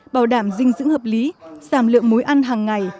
bảo đảm dinh dưỡng hợp lý giảm lượng mối ăn hàng ngày